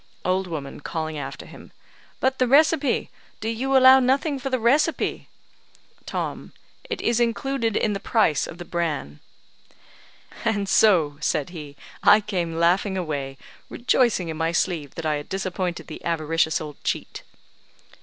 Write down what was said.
Old woman (calling after him): "But the recipe; do you allow nothing for the recipe?" Tom: "It is included in the price of the bran." "And so," said he, "I came laughing away, rejoicing in my sleeve that I had disappointed the avaricious old cheat."